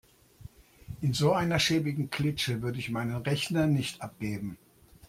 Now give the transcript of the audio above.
In so einer schäbigen Klitsche würde ich meinen Rechner nicht abgeben.